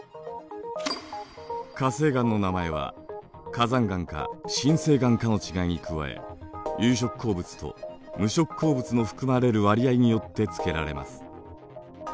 火成岩の名前は火山岩か深成岩かの違いに加え有色鉱物と無色鉱物の含まれる割合によって付けられます。